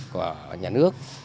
của nhà nước